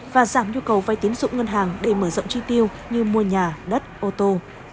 và giảm nhu cầu vay tiến dụng ngân hàng để mở rộng chi tiêu như mua nhà đất ô tô